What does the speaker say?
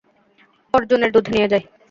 অর্জুনের দুধ নিয়ে যাই।